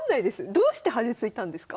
どうして端突いたんですか？